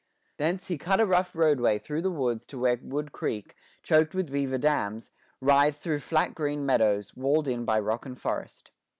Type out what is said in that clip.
Thence he cut a rough roadway through the woods to where Wood Creek, choked with beaver dams, writhed through flat green meadows, walled in by rock and forest.